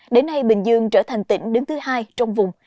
đến nay bình dương trở thành tỉnh đứng thứ hai trong vùng